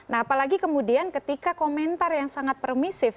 nah apalagi kemudian ketika komentar yang sangat permisif